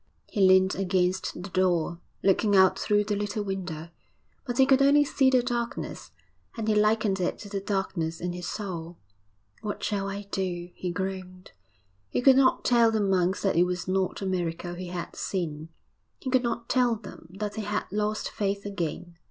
He leant against the door, looking out through the little window, but he could only see the darkness. And he likened it to the darkness in his own soul. 'What shall I do?' he groaned. He could not tell the monks that it was not a miracle he had seen; he could not tell them that he had lost faith again....